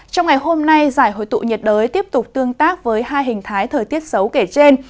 trong ngày hôm nay giải hội tụ nhiệt đới tiếp tục tương tác với hai hình thái thời tiết xấu kể trên